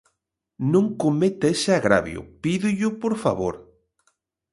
Non cometa ese agravio, pídollo por favor.